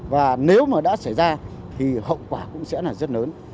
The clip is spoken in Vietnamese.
và nếu mà đã xảy ra thì hậu quả cũng sẽ là rất lớn